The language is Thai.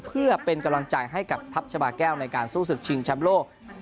เพื่อเป็นกำลังใจให้กับทัพชาบาแก้วในการสู้ศึกชิงแชมป์โลก